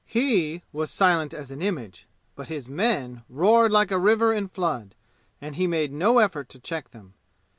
He was silent as an image, but his men roared like a river in flood and he made no effort to check them.